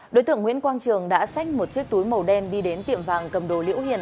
đối tượng nguyễn quang trường đã xách một chiếc túi màu đen đi đến tiệm vàng cầm đồ liễu hiền